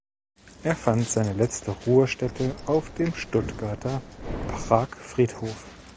Er fand seine letzte Ruhestätte auf dem Stuttgarter Pragfriedhof.